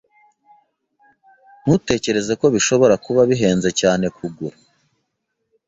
Ntutekereza ko bishobora kuba bihenze cyane kugura? (